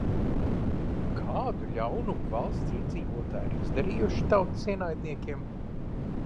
"Kādu ļaunumu valsts iedzīvotāji ir izdarījuši "tautas ienaidniekiem"?"